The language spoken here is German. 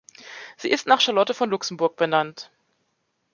Sie ist nach Charlotte von Luxemburg benannt.